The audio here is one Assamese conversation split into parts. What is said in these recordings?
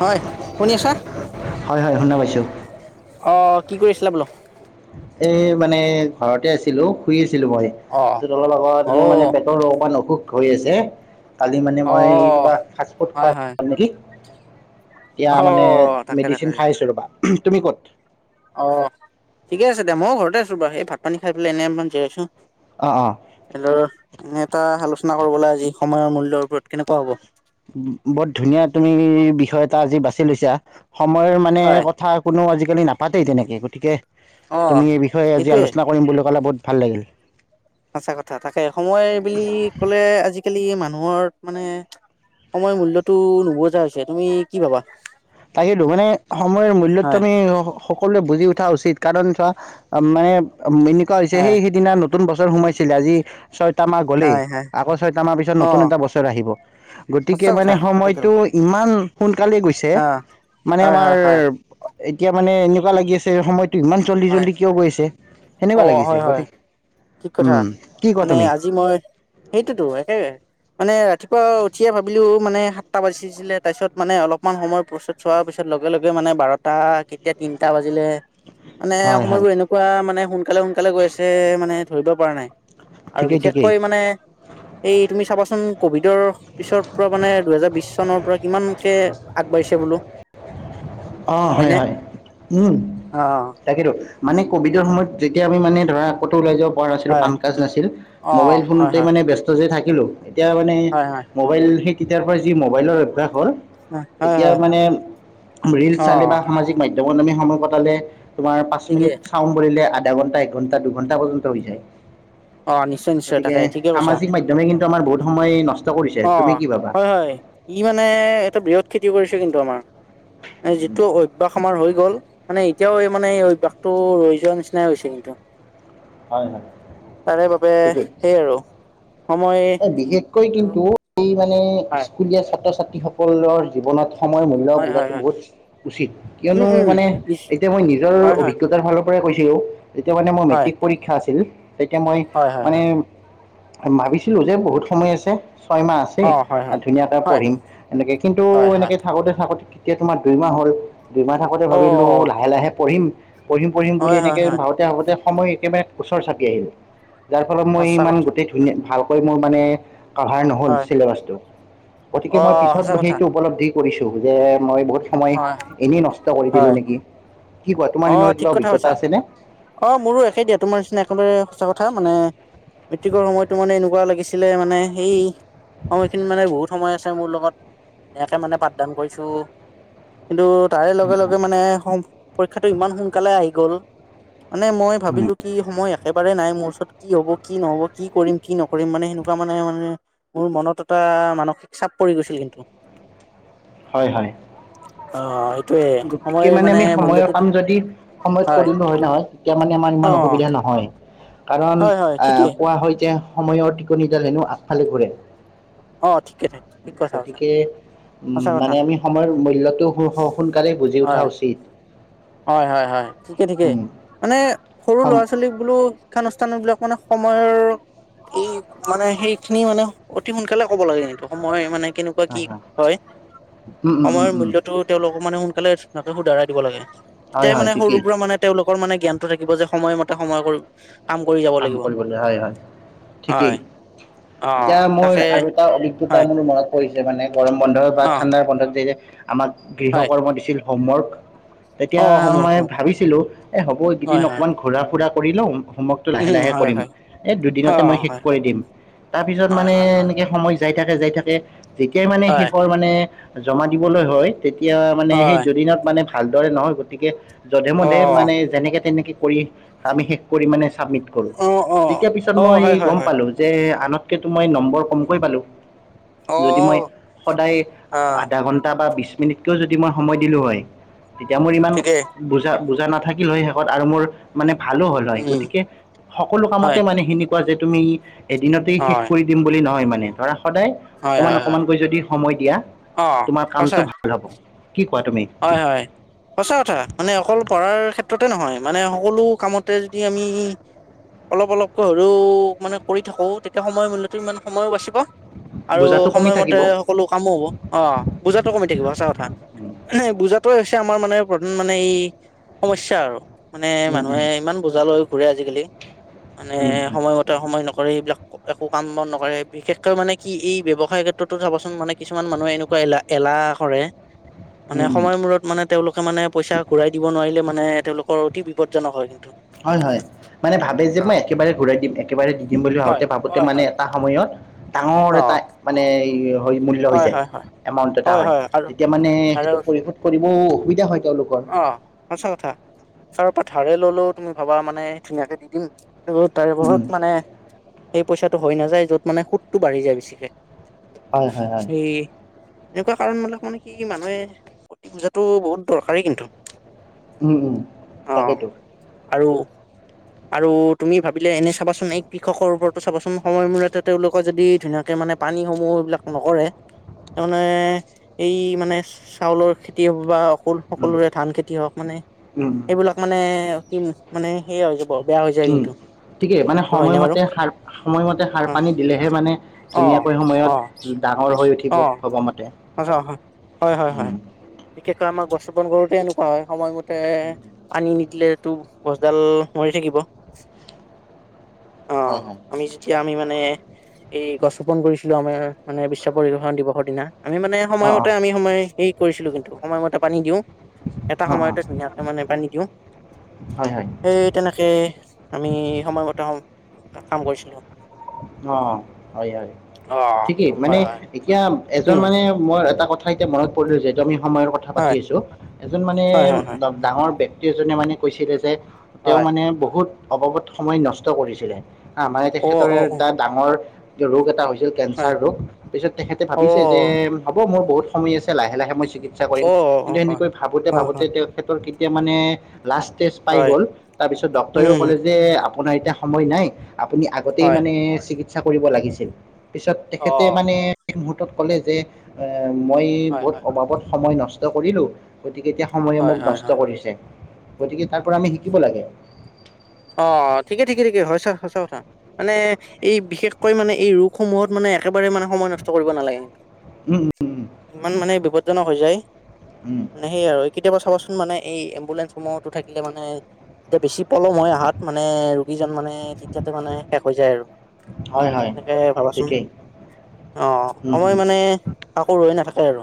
হয় শুনি আছে? হয় হয় শুনা পাইছোঁ অ' কি কৰি আছিলা বোলো? এই মানে ঘৰতে আছিলোঁ শুই আছিলো মই অ তাৰপিছত অলপ অ আগত মোৰ মানে পেট পেটৰ অকন অসুখ হৈ আছে। কালি মানে অ মই কিবা ফাষ্ট ফুড হয় হয় খোৱা [unintelligible] নেকি। এতিয়া অ মানে তাকে তাকে মেডিচিন খাই আছোঁ ৰ'বা, তুমি ক'ত? অ' ঠিকে আছে দিয়া ময়ো ঘৰতে আছোঁ বাৰু এই ভাত পানী খাই পেলাই এনে অকমান জিৰাইছোঁ। অ' অ'। হেল্ল' এনে এটা আলোচনা কৰোঁ বলা আজি সময়ৰ মূল্যৰ ওপৰত কেনেকুৱা হ'ব। বৰ ধুনীয়া তুমি বিষয় এটা আজি বাছি লৈছা সময়ৰ মানে হয় কথা কোনো আজিকালি নাপাতেই তেনেকে গতিকে অ তুমি এই বিষয়ে আজি সেইটোয়ে আলোচনা কৰিম বুলি ক'লে বহুত ভাল লাগিল। সঁচা কথা তাকে সময় বুলি ক'লে আজিকালি মানুহৰ মানে সময় মূল্যটো নুবুজা হৈছে তুমি কি ভাবা? তাকেটো মানে সময়ৰ মূল্যটো হয় আমি সকলোৱে বুজি উঠা উচিত কাৰণ চোৱা মানে এনেকুৱা হৈছে হয় সেই সেইদিনা ন নতুন বছৰ সোমাইছিল আজি ছয়টা মাহ গ'লেই হয় হয় আকৌ ছয়টা মাহ পিছত অ নতুন এটা বছৰ আহিব। গতিকে সঁচা মানে কথা তাকেতো সময়টো ইমান সোনকালে গৈছে অ মানে হয় আমাৰ হয় হয় এতিয়া মানে এনেকুৱা লাগি আছে সময়টো ইমান জল্দি হয় জল্দি কিয় গৈ আছে অ সেনেকুৱা হয় লাগিছে হয় গতিকে ঠিক কথা উম, কি কোৱা মানে তুমি আজি মই সেইটো একে মানে ৰাতিপুৱা উঠিয়ে ভাবিলোঁ মানে সাতটা বাজিছিলে তাৰপিছত মানে অলপমান সময়ত পি চোৱাৰ পিছত লগে লগে মানে বাৰটা কেতিয়া তিনিটা বাজিলে মানে হয় হয় সময়বোৰ এনেকুৱা মানে সোনকালে সোনকালে গৈ আছে মানে ধৰিব পৰা নাই। আৰু ঠিকেই ঠিকেই বিশেষকৈ মানে এই তুমি চাবাচোন কভিডৰ পিছৰ পৰা মানে দুহেজাৰ বিশ চনৰ পৰা কিমানকে আগবাঢ়িছে বোলো। অ', হয়, হয়নে হয়, উম, অ তাকেইেতো মানে হয় কভিডৰ সময়ত যেতিয়া আমি মানে ধৰা আগতে ওলাই যাব পৰা নাছিলো, হয় কাম-কাজ নাছিল অ মোবাইল হয় ফোনতে হয় মানে ব্যস্ত যে থাকিলো, এতিয়া মানে হয় হয় মোবাইল সেই তেতিয়াৰ পৰা যি মোবাইলৰ অভ্যাস হ'ল। হয় হয় এতিয়া হয় মানে ৰিলচ অ চালে সামাজিক মাধ্যমত আমি সময় কটালে তোমাৰ পাঁচ ঠিকেই মিনিট চাও বুলিলে আধা ঘন্টা এক ঘন্টা দুঘন্টা পৰ্যন্ত হৈ যায় অ নিশ্চয় নিশ্চয় গতিকে, তাকে ঠিকে কৈছা সামাজিক মাধ্যম মে কিন্তু আমাৰ বহুত সময় নষ্ট কৰিছে, অ তুমি কি ভাবা? হয় হয় ই মানে এটো বৃহৎ ক্ষতি কৰিছে কিন্তু আমাৰ, যিটো অভ্যাস আমাৰ হৈ গ'ল, মানে এতিয়াও এই মানে এই অভ্যাসটো ৰৈ যোৱা নিচিনাই হৈছে কিন্তু। হয় হয় তাৰে বাবে ঠিকেই সেই আৰু সময় এ বিশেষকৈ আৰু কিন্তু এই মানে হয় স্কুলীয়া ছাত্ৰ-ছাত্ৰী সকলৰ জীৱনত সময়ৰ মূল্য় হয় হয় বুজাটো হয় বহুত উচিত, উম কিয়নো উম মানে নিশ এতিয়া মই নিজৰ হয় হয় অভিজ্ঞতাৰ ফালৰ পৰাই কৈছো, যেতিয়া মানে মোৰ হয় মেট্ৰিক পৰীক্ষা আছিল, তেতিয়া মই হয় হয় মানে হয় ভাবিছিলো যে বহুত সময় আছে ছয় মাহ আছে। অ হয় হয় ধুনীয়াকে হয় পঢ়িম, এনেকে কিন্তু হয় হয় এনেকে থাকোতে থাকতে কেতিয়া তোমাৰ দুইমাহ হ'ল। দুইমাহ থাকোতে অ ভাবিলো লাহে লাহে পঢ়িম, পঢ়িম পঢ়িম বুলি হয় হয় এনেকে হয় ভাব তে ভাবোতে সময় একেবাৰে ওচৰ চাপি আহিল, যাৰ ফলত মই সঁচা ইমান কথা গোটেই ধুনীয়া ভাল কৈ মানে কাভাৰ নহ'ল হয় চিলেবাছটো, গতিকে অ মই পিছত সঁচা কথা সেইটো উপলব্ধি কৰিছো যে মই বহুত সময় হয় এনেই নষ্ট কৰি দিলো হয় নেকি। কি কোৱা অ তোমাৰ দিনৰ ঠিক কিবা কথা কৈছা অভিজ্ঞতা আছে নে? অ', মোৰো একে দিয়া তোমাৰ নিচিনা একেবাৰে সঁচা কথা, মানে মেট্ৰিকৰ সময়তো মানে এনেকুৱা লাগিছিলে, মানে সেই সময়খিনিত মানে বহুত সময় আছে মোৰ লগত, ধুনিয়াকে মানে পাঠদান কৰিছো। কিন্তু তাৰে লগে লগে মানে, পৰীক্ষাটো ইমান সোনকালে আহি গ'ল। মানে মই ভাবিলো কি সময় একেবাৰে নাই মোৰ ওচৰত, কি হ'ব কি নহ'ব কি কৰিম কি নক ৰিম মানে সেনেকুৱা মানে মানে মোৰ মনত এটা মানসিক চাপ পৰি গৈছিল কিন্তু। [inaudible] হয়, হয়। অ', সেইটোয়ে গতিকে সময় মানে আমি মূল্য সময়ৰ কাম যদি সময়ত কৰিলো হয় নহয়, তেতিয়া আমাৰ অ ইমান অসুবিধা নহয়। কাৰণ হয় হয় আহ, ঠিকেই কোৱা হয় যে সময়ৰ টিকনিডাল হেনো আগফালে ঘূৰে। অ ঠিকে ঠিক কথা কৈছা গতিকে উম, সঁচা কথা মানে আমি সময়ৰ মূল্যটো সু স সোনকালে বুজি উঠা হয় উচিত। হয়, হয়, হয়, ঠিকে ঠিকে উম মানে সৰু সম ল'ৰা-ছোৱালীক বোলো শিক্ষানুষ্ঠান বিলাক মানে সময়ৰ মানে সেইখিনি মানে অতি সোনকালে হ'ব লাগে কিন্তু, সময় মানে কেনেকুৱা কি হয়, উম উম উম সময়ৰ উম মূল্যটো তেওঁলোকক মানে সোনকালে ধুনীয়াকে শুধৰাই দিব লাগে, হয় তেতিয়াহে হয় মানে সৰুৰ ঠিকেই পৰা মানে তেওঁলোকৰ মানে জ্ঞানটো থাকিব যে সময়মতে সময় কৰি যাব কাম লাগিব কৰিবলৈ হয়, হয়, ঠিকেই হয় অ এতিয়া মোৰ তাকে আৰু টা অভিজ্ঞতা হয় মোৰ মনত পৰিছে মানে গৰম বন্ধ বা অ ঠাণ্ডাৰ বন্ধত যে আমাক হয় গৃহকৰ্ম দিছিল হোমৱৰ্ক। অ তেতিয়া সমূহ মই সমূহ ভাবিছিলো এ, হ'ব এইকেইদিন হয় হয় অকমান ঘুৰা-ফুৰা কৰি লও, হোমৱৰ্ক টো লাহে উম লাহে হয় কৰিম হয় এই অ দুদিনতে মই শেষ হয় কৰি দিম তাৰ পিছত হয় মানে হয় হয় এনেকে সময় যাই থাকে যাই থাকে যেতিয়াই মানে হয় শেষৰ মানে জমা দিবলৈ হয় তেতিয়া মানে সেই হয় দুদিনত মানে ভালদৰে নহয় গতিকে যধে মধে অ মানে যেনেকে তেনেকে কৰি আমি শেষ কৰি মানে চাবমিট অ অ তেতিয়া পিছত অ মই হয় হয় গম হয় পালো যে আনতকেটো মই নম্বৰ কমকে পালো অ যদি মই সদায় অ আধা ঘন্টা বা বিশ মিনিটকৈও যদি মই সময় দিলোঁ হয় তেতিয়া মোৰ ইমান ঠিকেই বুজা বুজা নাথাকিল শেষত আৰু মোৰ মানে ভালো হ'ল হয় উম গতিকে সকলো হয় কামতে মানে সেনেকুৱা যে তুমি এদিনতেই শেষ হয় কৰি দিম বুলি নহয় মানে ধৰা সদায় হয় অকমান হয় হয় অকমানকৈ যদি সময় দিয়া অ তোমাৰ সঁচা কামটো ভাল হব। কি কোৱা তুমি? হয় হয়। সঁচা কথা মানে অকল পঢ়াৰ ক্ষেত্ৰতে নহয় মানে সকলো কামতে যদি আমি অলপ অলপকৈ হলেও মানে কৰি থাকো তেতিয়া সময় মূল্যতো ইমান সময়ো বাচিব। আৰু বোজাটো কমি থাকিব সময়মতে সকলো কামো হব, অ বুজাটো কমি থাকিব সঁচা কথা। উম, বুজাতোৱে হৈছে আমাৰ মানে প্ৰধান মানে এই সমস্যা আৰু। মানে উম, উম, মানুহে ইমান বোজাল লৈ ঘুৰে আজিকালি মানে উম, উম, সময়মতে সময় নকৰে এইবিলাক একো কাম বন নকৰে বিশেষকৈ মানে কি এই ব্যৱসায় ক্ষেত্ৰতো চাবচোন মানে কিছুমান মানুহে এনেকুৱা এলা এলাহ কৰে। মানে উম, উম। সময় মূৰত মানে তেওঁলোকে মানে পইচা ঘূৰাই দিব নোৱাৰিলে মানে তেওঁলোকৰ অতি বিপদজনক হয়। হয় হয় মানে ভাবে যে মই একেবাৰে ঘূৰাই দিম একেবাৰে দি দিম বুলি হয় ভাবোতে ভাবোতে হয় মানে হয় এটা সময়ত ডাঙৰ অ এটা মানে হয় মূল্য হৈ যায় হয় হয় এমাউন্ট এটা হয় তেতিয়া মানে তাৰে সেতো পৰিসুত কৰিব অসুবিধা হয় তেওঁলোকৰ। অ সঁচা কথা তাৰ পৰা ধাৰে ললেও তুমি ভবা মানে ধুনীয়াকে দি দিম তাৰে উম বহুত মানে সেই পইচাটো হৈ নাযায় য'ত মানে সুতটো বাঢ়ি যায় বেছিকে। হয় হয় হয় সেই এনেকুৱা কাৰণ মনে কি কি মানুহে বুজাটো বহুত দৰকাৰি কিন্তু। উম উম অ', তাকেইতো। আৰু আৰু তুমি ভাবিলে এনে চাবাচোন এই কৃষকৰ ওপৰতো চাবাচোন সময় মূৰতে তেওঁলোকক যদি ধুনীয়াকে মানে পানীসমূহ সেইবিলাক নকৰে তাৰমানে এই মানে চাউলৰ খেতি বা অকল উম সকলোৰে ধান খেতি হওক মানে, উম উম সেইবিলাক মানে কি মানে সেয় হয় আৰু বৰ বেয়া হৈ যায় উম। কিন্তু। ঠিকেই মানে, সেইটো হয়নে বাৰু সময়মতে সাৰ সময়মতে সাৰ অ', পানী দিলেহে মানে অ', ধুনীয়াকৈ সময়ত অ', ডাঙৰ হৈ উঠিব ভবা মতে। অ' হয় হয় হয় উম বিশেষকৈ আমাক বছুপণ কৰোতে এনেকুৱা হয় সময়মতে পানী নিদিলে তো গছডাল মৰি থাকিব। অ' হয়, হয় আমি যেতিয়া আমি মানে এই গছ ৰোপণ কৰিছিলো আমাৰ মানে বিশ্ব পৰিবেশৰ দিৱসৰ দিনা আমি মানে অ অ সময়মতে আমি সময় হেৰি কৰিছিলো কিন্তু, সময়মতে পানী দিওঁ এটা অ অ সময়তে ধুনীয়াকে মানে পানী দিওঁ। হয়, হয়। সেই তেনেকে আমি সময়মতে সম, কাম কৰিছিলো। অ হয় হয় অ ঠিকেই মানে হয় হয় এতিয়া এজন উম মানে মোৰ এটা কথা কথা এতিয়া মনত পৰিলো যিহেতু আমি সময়ৰ কথা হয় পাতিছোঁ। এজন মানে হয় হয় হয় ডাঙৰ ব্যক্তি এজনে মানে কৈছিলে যে তেওঁ হয় মানে বহুত অবাবত সময় নষ্ট কৰিছিলে। আমাৰ অ তেখেতৰে অ অ এটা ডাঙৰ ৰোগ এটা হৈছিল হয় কেঞ্চাৰ ৰোগ। পিছত তেখেতে অ ভাবিছে যে, হ'ব মোৰ বহুত সময় আছে। লাহে লাহে মই চিকি চিকিৎসা কৰিম। অ অ কিন্তু হয় সেনেকৈ ভাবোতে হয় ভাবোতে হয় তেখেতৰ কেতিয়া মানে লাষ্ট ষ্টেজ পাই হয় গ'ল। তাৰপিছত ডাক্টৰেও উম ক'লে যে, আপোনাৰ এতিয়া সময় নাই আপুনি আগতেই হয় মানে চিকিৎসা কৰিব লাগিছিল। পিছত অ তেখেতে মানে শেষ মুহূুৰ্তত ক'লে যে, এ মই হয় বহুত হয় অবাৱত সময় নষ্ট কৰিলোঁ। গতিকে এতিয়া সময়ে হয় মোক হয় নষ্ট হয় কৰিছে। গতিকে তাৰ পৰা আমি শিকিব লাগে। অ ঠিকে-ঠিকে-ঠিকে হয় চা সঁচা কথা। মানে এই বিশেষকৈ মানে এই ৰোগসমূহত মানে একেবাৰে মানে সময় নষ্ট কৰিব নালাগে। উম উম ইমান মানে বিপদজনক হৈ যায় উম। মানে সেই আৰু। কেতিয়াবা চাবাচোন মানে এই এম্বুলেন্ঞ্চ সমূহতো থাকিলে মানে বেছি পলম হয় হাত মানে, ৰোগীজন মানে, থিতাতে মানে শেষ হৈ যায় আৰু। হয় হয়। এনেকে ভাবাচোন ঠিকেই। অ উম সময় উম মানে কাকো আকৌ ৰৈ নাথাকে আৰু।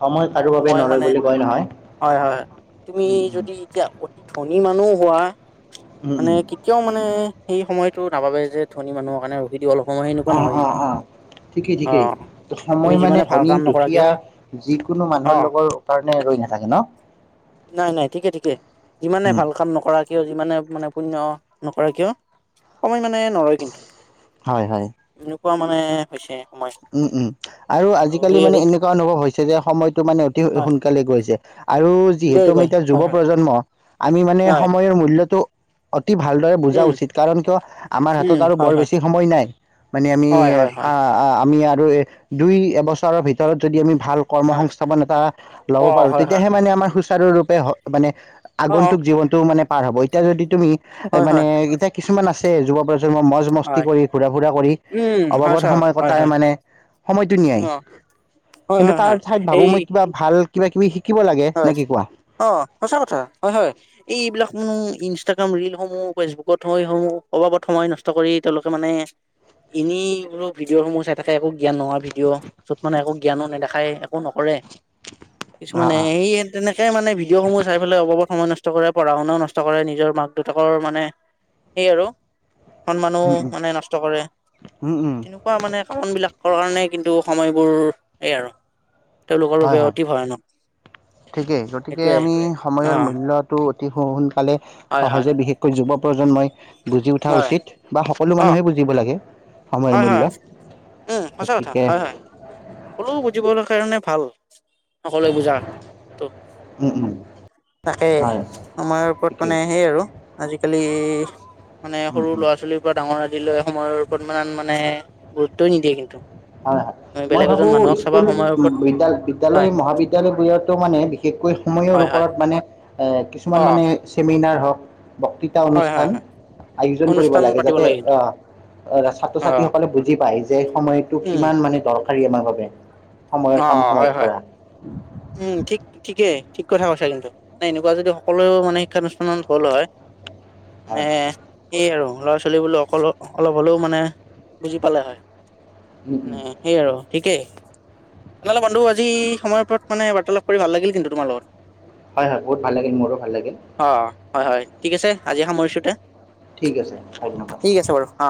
সময় কাৰো বাবে মই নৰয় মানে, বুলি কয় নহয় হয়-হয়-হয়। তুমি উম উম যদি এতিয়া, অতি ধনী মানুহ হোৱা উম মানে উম কেতিয়াও মানে, সেই সময়তটো নাভাবে যে ধনী মানুহৰ কাৰণে ৰখি দিবলে সময় সেনেকুৱা অ নহয় অ কিন্তু। অ ঠিকেই অ ঠিকেই। তুমি সময় মানে যিমানে ভাল ধনী, কাম নকৰা কিয় দুখীয়া যিকোনো অ মানুহৰ লগৰ কাৰণে ৰৈ নাথাকে ন। নাই নাই। ঠিকেই ঠিকেই। যিমানে উম ভাল কাম নকৰা কিয়, যিমানে মানে পুণ্য নকৰে কিয়, সময় মানে নৰয় কিন্তু। হয়, হয়। এনেকুৱা মানে হৈছে। সময় উম, উম। আৰু ত' আজিকালি সেই মানে আৰু এনেকুৱা অনুভৱ হৈছে যে, সময়তটো মানে অতি হয় সোনকালে গৈছে। আৰু গৈ যিহেতু আমি গৈ এতিয়া হয় যুৱ হয় প্ৰজন্ম, আমি মানে হয় সময়ৰ মূল্যটো অতি ভালদৰে বুজা উম উচিত কাৰণ কিয়, আমাৰ হাতত উম আৰু বৰ হয় হয় বেছি সময় নাই। মানে আমি হয় হয় হয় কা আ আমি আৰু এ দুই এবছৰৰ ভিতৰত যদি আমি ভাল কৰ্ম হয় সংস্থাপন এটা ল'ব অ পাৰোঁ হয় হয় তেতিয়াহে হয় মানে সুচাৰু ৰূপে হ মানে অ অ আগন্তুক জীৱনতটো মানে পাৰ হ'ব। এতিয়া যদি তুমি এ হয় মানে, হয় এতিয়া কিছুমান আছে যুৱ প্ৰজন্মৰ মজ মস্তি হয় কৰি, ঘূৰা ফুৰা কৰি, উম হয় অবাবত ছাৰ সময় কত হয় তাৰ হয় মানে, সময়টো অ নিয়াই। হয় কিন্তু হয় তাৰ হয় ঠাইত ভাবো এই মই কিবা ভাল কিবা কিবি শিকিব লাগে, নে কি কোৱা? অহ সঁচা কথা হয় হয়। এইবিলাক নোহ ইনষ্টাগ্ৰাম ৰিলসমূহ ফেচবুকত সময়সমূহ অবাবত সময় নষ্ট কৰি তেওঁলোকে মানে এনেই বুলো ভিডিঅ'সমূহ চাই থাকে একো জ্ঞান নোহোৱা ভিডিঅ', য'ত মানে একো জ্ঞানো নেদেখায় একো নকৰে, অ কিছুমানে অ সেই তেনেকে মানে ভিডিঅ' সমূহ চাই পেলাই অবাবত সময় নষ্ট কৰে, পঢ়া শুনাও নষ্ট কৰে, নিজৰ মাক-দেউতাকৰ মানে সেই আৰু সন্মানো উম উম মানে নষ্ট কৰে। উম উম তেনে কুৱা মানে কাৰণবিলাকৰ কাৰণে কিন্তু সময়বোৰ এই আৰু তেওঁলোকৰ হয় বাবে হয় অতি ভয়ানক। ঠিকেই, গতিকে সেইটোৱে আমি অ সময়ৰ মূল্যটো অতি সোনকালে হয় হয় সহজে বিশেষকৈ যুৱ প্ৰজন্মই বুজি উঠা হয় উচিত বা সকলো অ মানুহেই বুজ জিব লাগে সময়ৰ হয় মূল্য হয় উম সঁচা কথা গতিকে হয় হয় সকলো বুজিবৰ কাৰণে ভাল সকলোৱে বুজা তো উম উম তাকে হয় সময়ৰ ওপৰত ঠিকেই মানে সেই আৰু আজিকালি মানে উম সৰু উম। ল'ৰা ছোৱালীৰ পৰা ডাঙৰ আদিলৈ সময়ৰ ওপৰত ইমান মানে গুৰুত্বই নিদিয়ে কিন্তু অ' মই বেলেগ ভাবো এজন মানুহক চাবা স্কুল সময়ৰ ওপৰত বিদ্যা হয় বিদ্যালয় মহাবিদ্যালয়বোৰতো মানে বিশেষকৈ সময়ৰ হয় হয় ওপৰত মানে এ কিছুমান অ মানে চেমিনাৰ হওক বক্তৃ তাৰ হয় হয় অনুষ্ঠান হয় আয়োজন কৰিব অনুষ্ঠান লাগে পাতিব যাতে কিন্তু অ ছাত্ৰ অ ছাত্ৰীসকলে বুজি পায় যে সময় উম কিমান মানে দৰকাৰী আমাৰ বাবে সময়ৰ কাম অ' হয় সময়ত হয় কৰা উম থিক থিকেই থিক কথা কৈছা কিন্তু মানে এনেকুৱা যদি সকলো মানে শিক্ষানুষ্ঠানত হ'ল হয় মানে হয় এই আৰু ল'ৰা ছোৱালী বোৰে অকল অলপ হ'লেও মানে বুজি পালে হয় উম মানে উম সেই আৰু থিকেই নহ'লে বন্ধু আজি সময়ৰ ওপৰত মানে বাৰ্তালাপ কৰি ভাল লাগিল কিন্তু তোমাৰ লগত হয় হয় বহুত ভাল লাগিল মোৰো ভাল লাগিল অ' হয় হয় থিক আছে আজি সামৰিছোঁ তে থিক আছে ধন্যবাদ অ